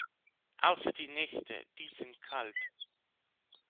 Außer die Nächte, die sind kalt.